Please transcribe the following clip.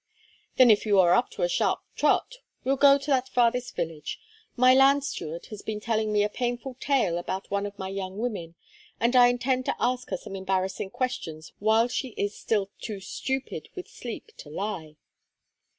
"Then if you are up to a sharp trot we'll go to that farthest village. My land steward has been telling me a painful tale about one of my young women, and I intend to ask her some embarrassing questions while she is still too stupid with sleep to lie."